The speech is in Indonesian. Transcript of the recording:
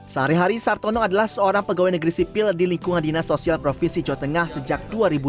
sehari hari sartono adalah seorang pegawai negeri sipil di lingkungan dinas sosial provinsi jawa tengah sejak dua ribu enam belas